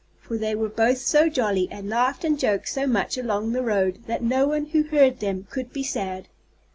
For they were both so jolly, and laughed and joked so much along the road, that no one who heard them could be sad.